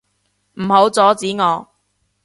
唔好阻止我！